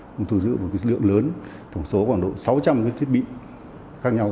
chúng tôi giữ một lượng lớn thổng số khoảng độ sáu trăm linh thiết bị khác nhau